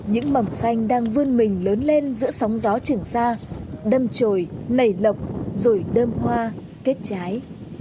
những mầm xanh đang vươn mình lớn lên giữa sóng gió trưởng xa đâm trồi nảy lộc rồi đơm hoa kết trái